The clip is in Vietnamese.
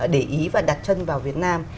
để ý và đặt chân vào việt nam